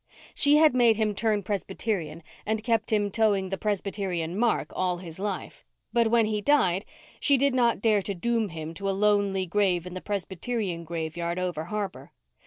She had made him turn Presbyterian and kept him toeing the Presbyterian mark all his life. But when he died she did not dare to doom him to a lonely grave in the Presbyterian graveyard over harbour.